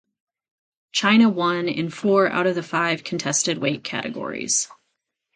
China won in four out of the five contested weight categories.